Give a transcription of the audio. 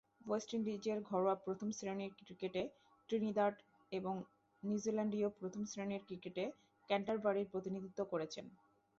West ইন্ডিজের ঘরোয়া প্রথম-শ্রেণীর ক্রিকেটে ত্রিনিদাদ এবং নিউজিল্যান্ডীয় প্রথম-শ্রেণীর ক্রিকেটে ক্যান্টারবারির প্রতিনিধিত্ব করেছেন।